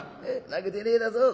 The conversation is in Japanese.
泣くでねえだぞ」。